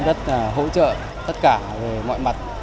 công ty cũng rất hỗ trợ tất cả về mọi mặt